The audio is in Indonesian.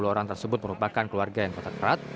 tiga puluh orang tersebut merupakan keluarga yang kotak perat